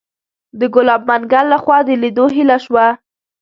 د ګلاب منګل لخوا د لیدو هیله شوه.